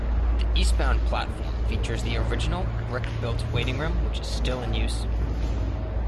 The eastbound platform features the original brick-built waiting room which is still in use.